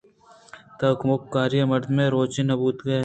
تو کمکاری مردمے روچے نہ بوتگے